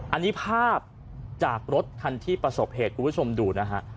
อันนี้ภาพจากรถคันที่ประสบเหตุคุณผู้ชมดูนะฮะ